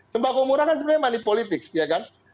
sembako murah kan sebenarnya money politics ya kan